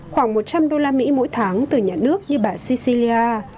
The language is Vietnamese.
khoảng một trăm linh usd mỗi tháng từ nhà nước như bà cecilia